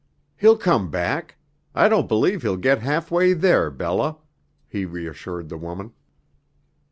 "He'll come back. I don't believe he'll get halfway there, Bella," he reassured the woman.